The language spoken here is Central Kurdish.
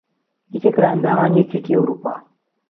یەکێکە لە ئەندامانی یەکێتیی ئەووروپا